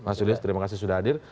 mas julius terima kasih sudah hadir